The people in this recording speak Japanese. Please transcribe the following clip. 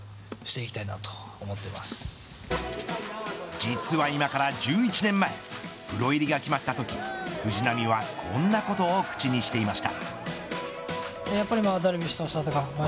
実は今から１１年前プロ入りが決まったとき、藤浪はこんなことを口にしていました。